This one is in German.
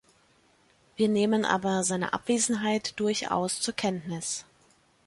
Wir nehmen aber seine Abwesenheit durchaus zur Kenntnis.